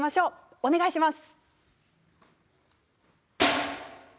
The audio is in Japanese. お願いします。